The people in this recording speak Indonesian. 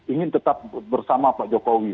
ingin tetap bersama pak jokowi